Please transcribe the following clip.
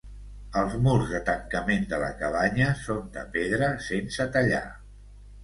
Els murs de tancament de la cabanya són de pedra sense tallar.